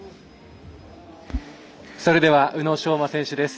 それでは、宇野昌磨選手です。